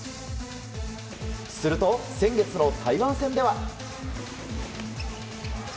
すると先月の台湾戦では。